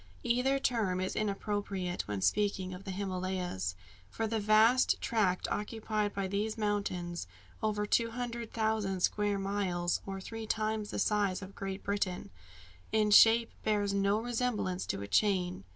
Either term is inappropriate, when speaking of the Himalayas: for the vast tract occupied by these mountains over 200,000 square miles, or three times the size of Great Britain in shape bears no resemblance to a chain.